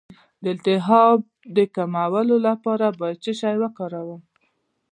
د التهاب د کمولو لپاره باید څه شی وکاروم؟